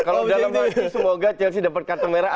kalau dalam semoga chelsea dapat kartu merah